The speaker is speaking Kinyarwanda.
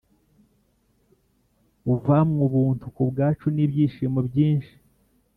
Uvamw ubuntu kubwacu N'ibyishimo byinshi.